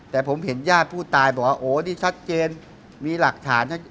แต่ผมเห็นญาติผู้ตายบอกว่าโอ้นี่ชัดเจนมีหลักฐานชัด